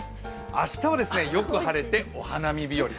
明日は、よく晴れてお花見日より。